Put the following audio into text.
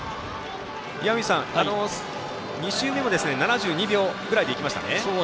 岩水さん、２周目も７２秒ぐらいで行きましたね。